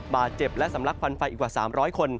บาดเจ็บและสำลักควันไฟอีกกว่า๓๐๐คน